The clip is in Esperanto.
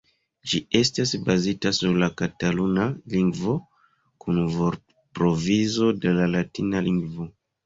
Ĝi estas bazita sur la kataluna lingvo kun vortprovizo de la latina lingvo.